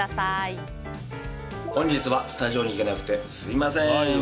本日はスタジオに行けなくてすみません！